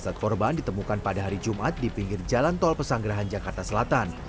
jasad korban ditemukan pada hari jumat di pinggir jalan tol pesanggerahan jakarta selatan